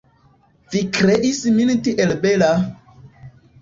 Vi kreis min tiel bela!